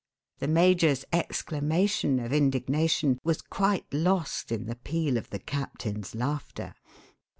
The major's exclamation of indignation was quite lost in the peal of the captain's laughter.